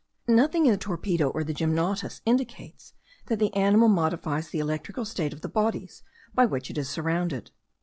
Nothing in the torpedo or in the gymnotus indicates that the animal modifies the electrical state of the bodies by which it is surrounded.